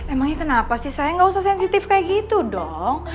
emangnya kenapa sih saya nggak usah sensitif kayak gitu dong